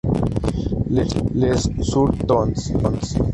Les Villards-sur-Thônes